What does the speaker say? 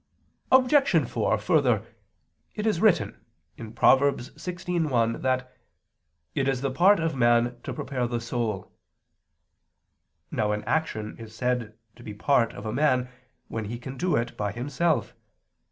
Obj. 4: Further, it is written (Prov. 16:1) that "it is the part of man to prepare the soul." Now an action is said to be part of a man, when he can do it by himself.